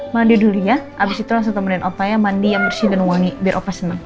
mandi dulu ya abis itu langsung temenin opa ya mandi yang bersih dan wangi biar opa senang